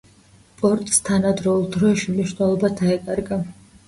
პორტს თანადროულ დროში მნიშვნელობა დაეკარგა.